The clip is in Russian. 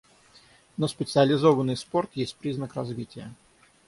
Но специализованный спорт есть признак развития.